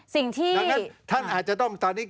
สิ่งที่ท่านอาจจะต้องตอนนี้